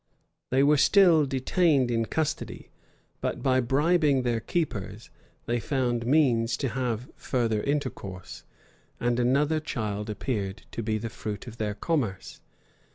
They were still detained in custody, but by bribing their keepers, they found means to have further intercourse; and another child appeared to be the fruit of their commerce.